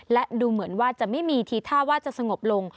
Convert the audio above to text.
และดูเหมือนว่าจะไม่มีทีท่าว่าจะสงบลง